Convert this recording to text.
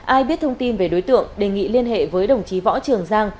ai biết thông tin về đối tượng đề nghị liên hệ với đồng chí võ trường giang